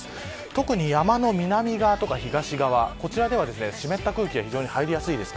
特に山の南側や東側では湿った空気が非常に入りやすいです。